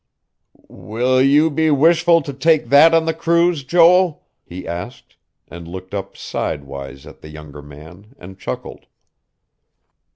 "Will you be wishful to take that on the cruise, Joel?" he asked, and looked up sidewise at the younger man, and chuckled.